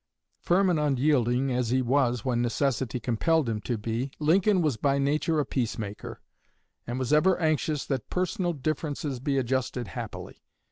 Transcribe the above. Firm and unyielding as he was when necessity compelled him to be, Lincoln was by nature a peace maker, and was ever anxious that personal differences be adjusted happily.